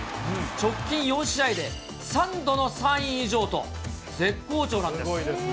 直近４試合で３度の３位以上と、すごいですね。